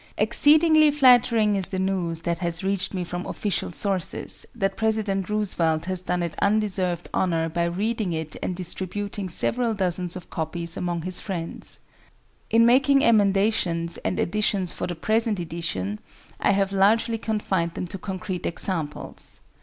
Exceedingly flattering is the news that has reached me from official sources, that President Roosevelt has done it undeserved honor by reading it and distributing several dozens of copies among his friends. In making emendations and additions for the present edition, I have largely confined them to concrete examples.